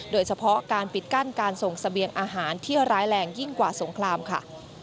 โดยเฉพาะการปิดกั้นการส่งเสบียงอาหารที่ร้ายแรงยิ่งกว่าสงครามค่ะ